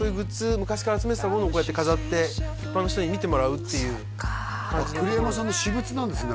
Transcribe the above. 昔から集めてたものをこうやって飾って一般の人に見てもらうっていう栗山さんの私物なんですね